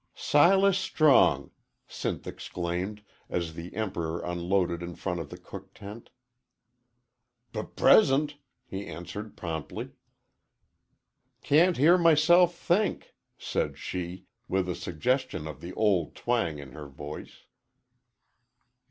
"Silas Strong!" Sinth exclaimed, as the Emperor unloaded in front of the cook tent. "P present!" he answered, promptly. "Can't hear myself think," said she, with a suggestion of the old twang in her voice.